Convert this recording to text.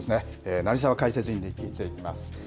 成澤解説委員に聞いてみます。